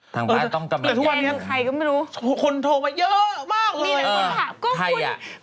แต่ทุกวันเนี้ยแต่ทุกวันเนี้ยใครก็ไม่รู้คนโทรมาเยอะมากเลยมีแหละคนถามใครอ่ะ